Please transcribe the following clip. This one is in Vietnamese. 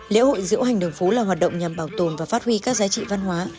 lễ hội diễu hành đường phố là hoạt động nhằm bảo tồn và phát huy các giá trị văn hóa